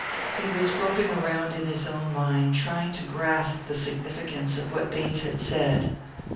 He was groping around in his own mind, trying to grasp the significance of what Bates had said.